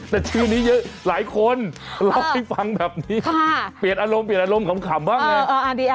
แต่ชื่อนี้หลายคนเล่าให้ฟังแบบนี้เปลี่ยนอารมณ์ขำบ้างไง